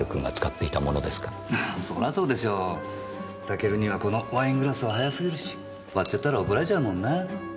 タケルにはこのワイングラスは早すぎるし割っちゃったら怒られちゃうもんな？